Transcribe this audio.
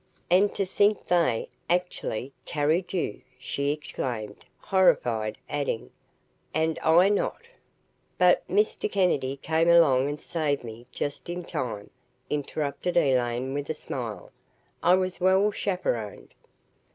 "And to think they actually carried you!" she exclaimed, horrified, adding, "And I not " "But Mr. Kennedy came along and saved me just in time," interrupted Elaine with a smile. "I was well chaperoned!"